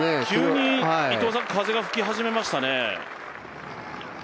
急に風が吹き始めましたね？